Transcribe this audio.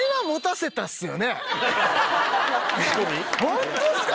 ホントっすか？